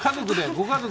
ご家族？